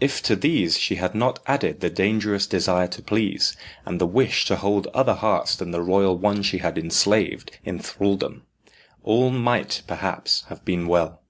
If to these she had not added the dangerous desire to please, and the wish to hold other hearts than the royal one she had enslaved, in thraldom, all might, perhaps, have been well.